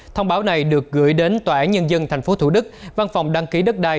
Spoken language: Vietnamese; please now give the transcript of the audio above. thông báo này được gửi đến tòa án nhân dân tp hcm văn phòng đăng ký đất đai